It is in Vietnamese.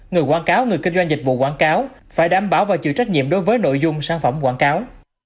người quảng cáo người kinh doanh dịch vụ quảng cáo phải đảm bảo và chịu trách nhiệm đối với nội dung sản phẩm quảng cáo